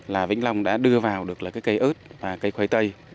là vĩnh long đã đưa vào được là cây ớt và cây khoai tây